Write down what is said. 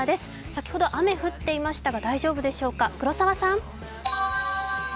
先ほど雨降っていましたが大丈夫でしょうか。